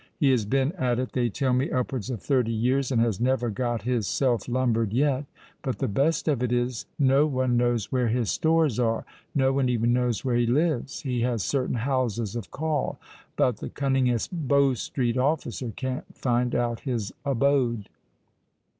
He has been at it, they tell me, upwards of thirty years, and has never got his self lumbered yet. But the best of it is, no one knows where his stores are: no one even knows where he lives. He has certain houses of call; but the cunningest Bow Street Officer can't find out his abode."